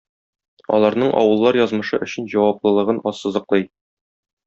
Аларның авыллар язмышы өчен җаваплылыгын ассызыклый.